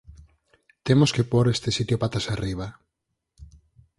Temos que pór este sitio patas arriba.